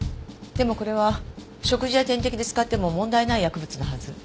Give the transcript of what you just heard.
でもこれは食事や点滴で使っても問題ない薬物のはず。